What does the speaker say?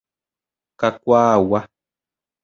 Kakuaagua.